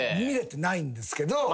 見れてないんですけど。